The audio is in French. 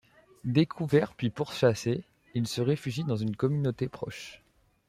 Découvert puis pourchassé, il se réfugie dans une communauté proche.